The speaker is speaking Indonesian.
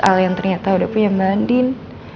al yang ternyata udah punya mbak andin